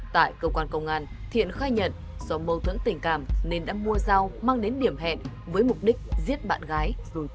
tại cơ quan công an thiện khai nhận do mâu thuẫn tình cảm nên đã mua rau mang đến điểm hẹn với mục đích giết bạn gái